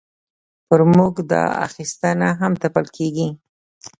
پر موږ دا اخیستنه هم تپل کېږي.